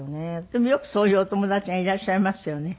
でもよくそういうお友達がいらっしゃいますよね。